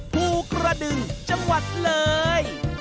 ภูกระดึงจังหวัดเลย